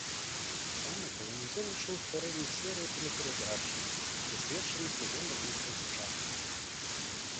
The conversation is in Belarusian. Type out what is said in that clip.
Тамака ён удзельнічаў у стварэнні серыі тэлеперадач, прысвечаных легендам і міфам сучаснасці.